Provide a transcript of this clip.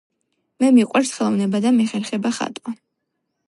მე მიყვარს ხელოვნება და მეხერხება ხატვა